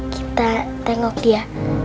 kita tengok dia